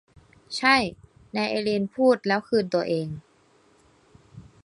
ใช่นายเอลีนพูดแล้วคืนตัวเอง